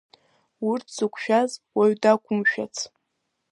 Урҭ зықәшәаз уаҩ дақәымшәац!